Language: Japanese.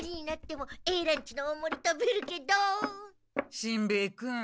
しんべヱ君。